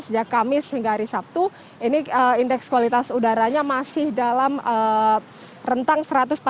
sejak kamis hingga hari sabtu ini indeks kualitas udaranya masih dalam rentang satu ratus empat puluh